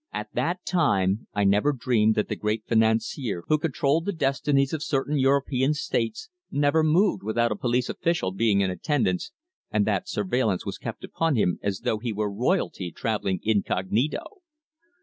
At that time I never dreamed that the great financier who controlled the destinies of certain European States never moved without a police official being in attendance, and that surveillance was kept upon him as though he were royalty travelling incognito.